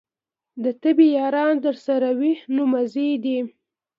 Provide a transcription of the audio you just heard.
د طبې یاران درسره وي نو مزې دي.